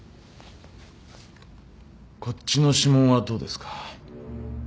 こっちの指紋はどうですか？